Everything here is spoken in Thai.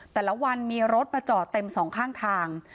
แต่ละวันมีรถมาจอดเต็มสองข้างทาง